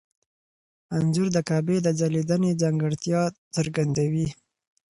انځور د کعبې د ځلېدنې ځانګړتیا څرګندوي.